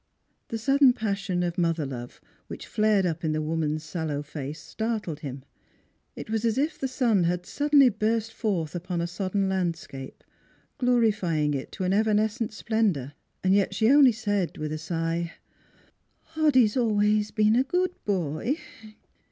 The sudden passion of mother love which flared up in the woman's sallow face startled him. It was as if the sun had suddenly burst forth upon a sodden landscape, glorifying it to an evanescent splendor. Yet she only said, with a sigh: " Hoddy's always been a good boy."